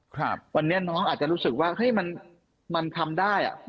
ครับวันนี้น้องอาจจะรู้สึกว่าเฮ้ยมันมันทำได้อ่ะ